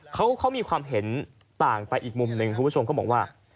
เขามีความเห็นต่างไปอีกมุมหนึ่งคุณผู้ชมเขาบอกว่า